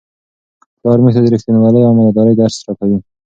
پلار موږ ته د رښتینولۍ او امانتدارۍ درس راکوي.